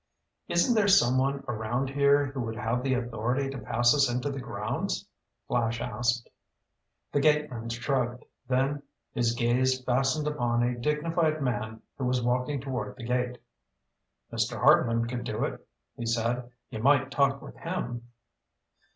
"Isn't there someone around here who would have the authority to pass us into the grounds?" Flash asked. The gateman shrugged. Then his gaze fastened upon a dignified man who was walking toward the gate. "Mr. Hartman could do it," he said. "You might talk with him."